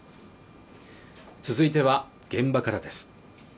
続いては現場からです